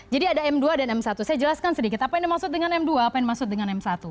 jadi ada m dua dan m satu saya jelaskan sedikit apa yang dimaksud dengan m dua apa yang dimaksud dengan m satu